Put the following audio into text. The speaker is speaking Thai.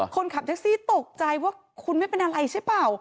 คนขับแท็กซี่ตกใจว่าคุณไม่เป็นอะไรใช่เปล่า